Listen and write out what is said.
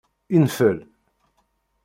Infel.